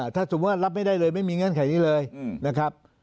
ถ้าสมมุติรับไม่ได้เลยไม่มีเงื่อนไขนี้เลยนะครับ